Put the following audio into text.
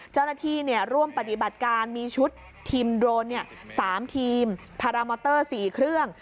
เจ้าหน้าที่ร่วมปฏิบัติการมีชุดทีมโดรน๓ทีมพารามอเตอร์๔เครื่อง